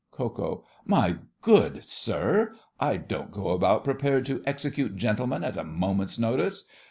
KO. My good sir, I don't go about prepared to execute gentlemen at a moment's notice.